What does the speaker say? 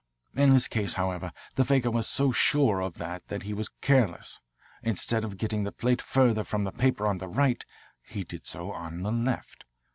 In this case, however, the faker was so sure of that that he was careless. Instead of getting the plate further from the paper on the right he did so on the left.